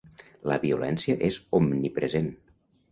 La violència és omnipresent.